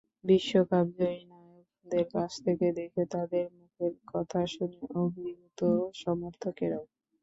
বিশ্বকাপজয়ী নায়কদের কাছ থেকে দেখে, তাঁদের মুখের কথা শুনে অভিভূত সমর্থকেরাও।